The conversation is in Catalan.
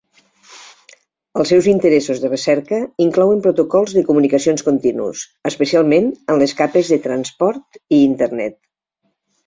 Els seus interessos de recerca inclouen protocols de comunicacions continus, especialment en les capes de transport i internet.